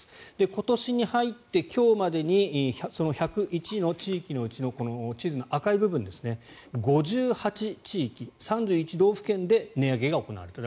今年に入って今日までにその１０１の地域のうちのこの地図の赤い部分、５８地域３１道府県で値上げが行われている。